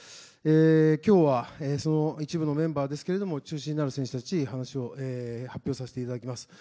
きょうはその一部のメンバーですけれども、中心になる選手たちの話を、発表をさせていただきます。